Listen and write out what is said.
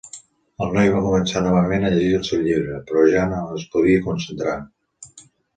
El noi va començar novament a llegir el seu llibre, però ja no es podia concentrar.